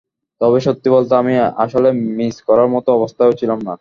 তবে সত্যি বলতে, আমি আসলে মিস করার মতো অবস্থায়ও ছিলাম না।